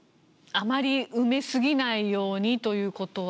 あまり埋め過ぎないようにということは。